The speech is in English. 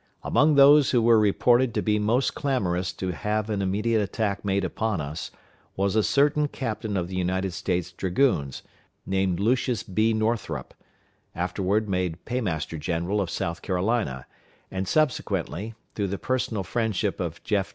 Among those who were reported to be most clamorous to have an immediate attack made upon us, was a certain captain of the United States Dragoons, named Lucius B. Northrup; afterward made Paymaster general of South Carolina, and subsequently, through the personal friendship of Jeff.